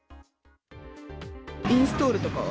インストールとかは？